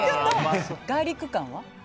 ガーリック感は？